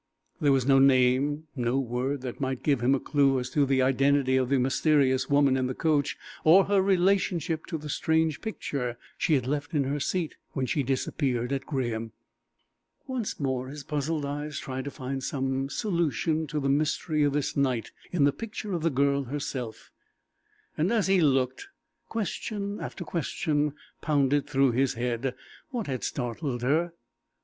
There was no name, no word that might give him a clue as to the identity of the mysterious woman in the coach, or her relationship to the strange picture she had left in her seat when she disappeared at Graham. Once more his puzzled eyes tried to find some solution to the mystery of this night in the picture of the girl herself, and as he looked, question after question pounded through his head. What had startled her?